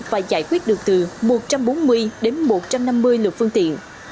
và giải quyết được từ một trăm bốn mươi một trăm năm mươi lực phương tiện